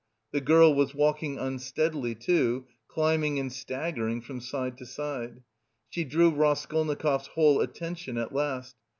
The girl was walking unsteadily, too, stumbling and staggering from side to side. She drew Raskolnikov's whole attention at last.